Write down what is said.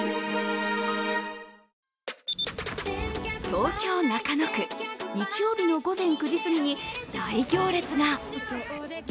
東京・中野区、日曜日の午前９時すぎに大行列が。